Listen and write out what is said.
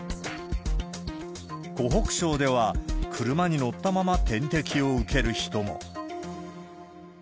湖北省では、車に乗ったまま点滴を受ける人も。